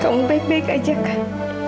kamu baik baik aja kan